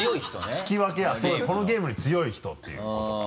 聞き分けあっこのゲームに強い人っていうことか。